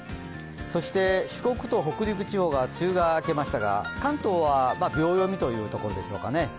そして四国と北陸地方が梅雨が明けましたが、関東は秒読みというところでしょうかね。